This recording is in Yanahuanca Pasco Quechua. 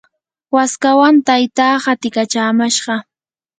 waskawan taytaa qatikachamashqa.